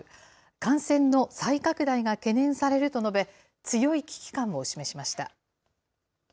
感染の再拡大が懸念されると述べ、強い危機感を示しました。